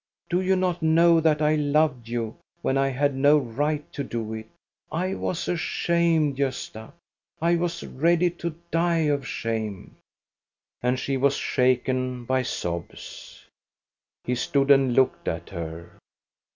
Do you not know that I loved you when I had no right to do it ? I was ashamed, Gosta ! I was ready to die of shame !" And she was shaken by sobs. He stood and looked at her.